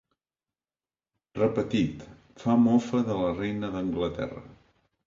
Repetit, fa mofa de la reina d'Anglaterra.